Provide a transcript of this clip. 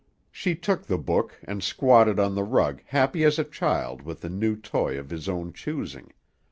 She took the book and squatted on the rug happy as a child with a new toy of his own choosing.